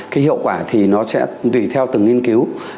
cái hiệu quả thì nó sẽ tùy theo từng nghiên cứu